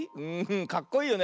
かっこいいよね。